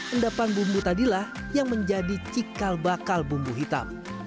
endapan bumbu tadilah yang menjadi cikal bakal bumbu hitam